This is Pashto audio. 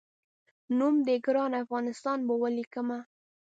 نوم د ګران افغانستان په ولیکمه